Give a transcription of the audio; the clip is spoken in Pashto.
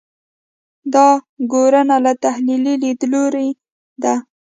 دا ګورنه له تحلیلي لیدلوري ده.